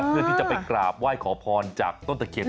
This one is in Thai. เพื่อที่จะไปกราบว่ายขอพรจากต้นตะเข็ด